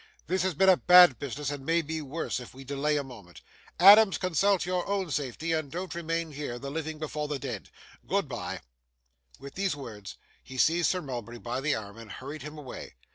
This has been a bad business, and may be worse, if we delay a moment. Adams, consult your own safety, and don't remain here; the living before the dead; goodbye!' With these words, he seized Sir Mulberry by the arm, and hurried him away.